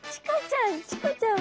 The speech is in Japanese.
チコちゃん！